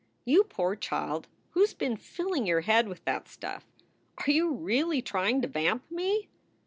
"You poor child, who s been rilling your head with that stuff? Are you really trying to vamp me?"